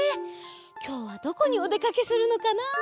きょうはどこにおでかけするのかな。